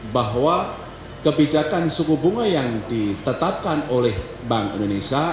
bahwa kebijakan suku bunga yang ditetapkan oleh bank indonesia